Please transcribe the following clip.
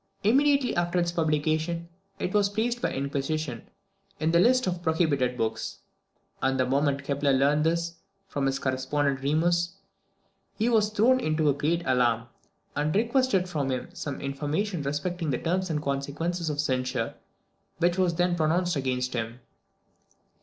Immediately after its publication, it was placed by the Inquisition in the list of prohibited books; and the moment Kepler learned this from his correspondent Remus, he was thrown into great alarm, and requested from him some information respecting the terms and consequences of the censure which was then pronounced against him.